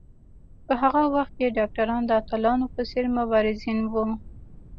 په هغه وخت کې ډاکټران د اتلانو په څېر مبارزین وو.